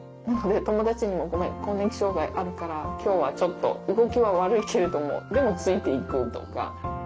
友達にも「ごめん更年期障害あるから今日はちょっと動きは悪いけれどもでもついていく」とか。